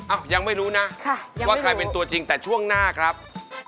อ้าวยังไม่รู้นะว่าใครเป็นตัวจริงแต่ช่วงหน้าครับยังไม่รู้